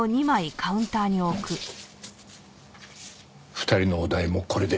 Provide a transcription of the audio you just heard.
２人のお代もこれで。